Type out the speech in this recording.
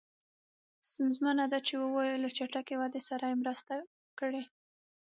ستونزمنه ده چې ووایو له چټکې ودې سره یې مرسته کړې.